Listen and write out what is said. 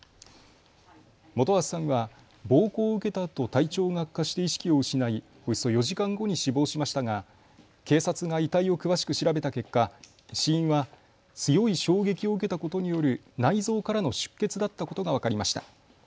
元橋さんは暴行を受けたあと体調が悪化して意識を失いおよそ４時間後に死亡しましたが警察が遺体を詳しく調べた結果、死因は強い衝撃を受けたことによる内臓からの出血だったことが分かりました。